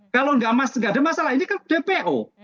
kalau nggak ada masalah ini kan dpo